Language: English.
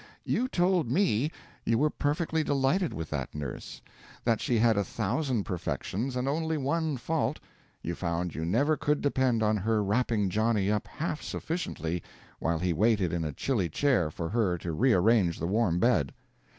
You told me you were perfectly delighted with that nurse that she had a thousand perfections and only one fault: you found you never could depend on her wrapping Johnny up half sufficiently while he waited in a chilly chair for her to rearrange the warm bed.